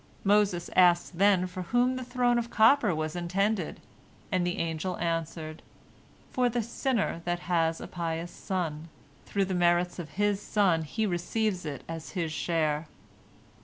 Moses asked then for whom the throne of copper was intended, and the angel answered, "For the sinner that has a pious son. Through the merits of his son he receives it as his share."